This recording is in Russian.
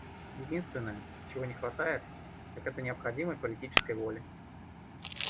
Единственное, чего не хватает, так это необходимой политической воли.